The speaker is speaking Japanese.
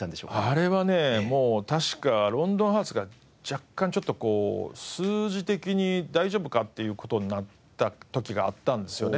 あれはねもう確か『ロンドンハーツ』が若干ちょっとこう数字的に大丈夫か？っていう事になった時があったんですよね。